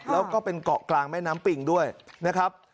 แล้วก็เป็นเกาะกลางแม่น้ำปิงด้วยนะครับ